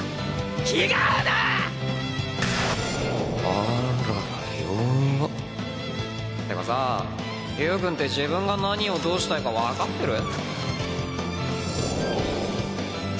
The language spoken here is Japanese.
あらら弱っってかさゆーくんって自分が何をどうしたいか分かってる？